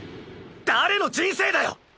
誰の人生だよ！